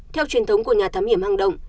theo truyền thống của nhà thám hiểm hang động